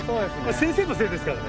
先生のせいですからね。